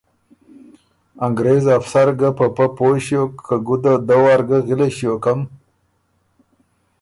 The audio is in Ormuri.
انګرېز افسر ګه په پۀ پوی ݭیوک که ګُده دۀ وار ګۀ غِلئ ݭیوکم